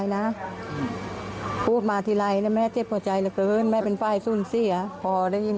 เรารู้เขายังเล็กเพิ่งอยากกินนม๑เดือน